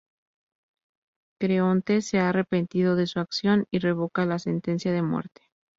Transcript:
Creonte se ha arrepentido de su acción y revoca la sentencia de muerte.